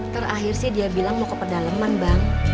terakhir sih dia bilang mau ke pedaleman bang